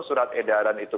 surat edaran itu